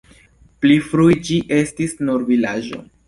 Pli frue ĝi estis nur vilaĝo.